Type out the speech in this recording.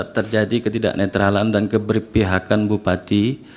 terjadi ketidaknetralan dan keberpihakan bupati